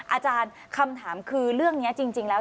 อาจารย์คำถามคือเรื่องนี้จริงแล้ว